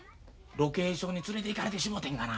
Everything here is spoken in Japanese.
ロケーションに連れていかれてしもてんがな。